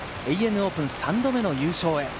オープン３度目の優勝へ。